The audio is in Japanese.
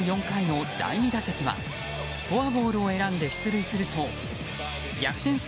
４回の第２打席はフォアボールを選んで出塁すると逆転